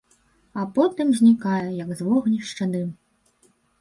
А потым знікае, як з вогнішча дым.